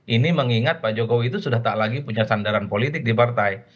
ini mengingat pak jokowi itu sudah tak lagi punya sandaran politik di partai